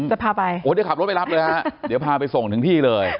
จะพาไปโอ้เดี๋ยวขับรถไปรับเลยฮะเดี๋ยวพาไปส่งถึงที่เลย